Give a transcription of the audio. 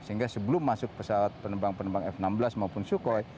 sehingga sebelum masuk pesawat penerbang penerbang f enam belas maupun sukhoi